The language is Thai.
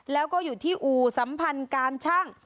แล้วก็อยู่ที่อู่สัมพันธ์การชั่ง